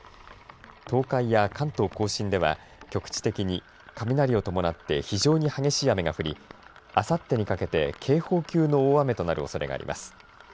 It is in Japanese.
東海や関東甲信では局地的に雷を伴って非常に激しい雨が降りあさってにかけて警報級の大雨となるおそれがあります。